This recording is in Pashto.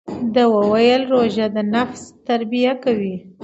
ده وویل چې روژه د نفس تربیه کوي.